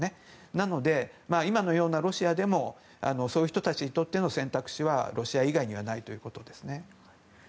なので、今のようなロシアでもそういう人たちにとっての選択肢はロシア以外にはないということですね。